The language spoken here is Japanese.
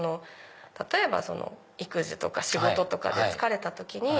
例えば育児とか仕事とかで疲れた時に。